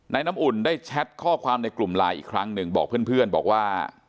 น้ำอุ่นได้แชทข้อความในกลุ่มไลน์อีกครั้งหนึ่งบอกเพื่อนบอกว่า